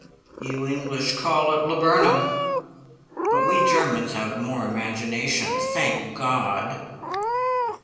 You English call it laburnum; but we Germans have more imagination, thank God!"